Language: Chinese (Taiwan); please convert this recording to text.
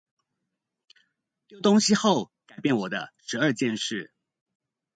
丟東西後改變我的十二件事